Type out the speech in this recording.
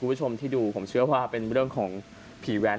คุณผู้ชมที่ดูผมเชื่อว่าเป็นเรื่องของผีแวน